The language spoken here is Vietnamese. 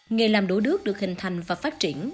nghề làm đổ đước được hình thành và phát triển